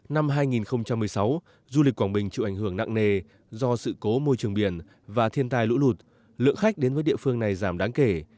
năm hai nghìn một mươi sáu du lịch quảng bình chịu ảnh hưởng nặng nề do sự cố môi trường biển và thiên tai lũ lụt lượng khách đến với địa phương này giảm đáng kể